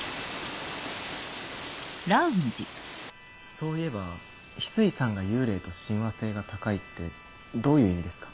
そういえば翡翠さんが幽霊と親和性が高いってどういう意味ですか？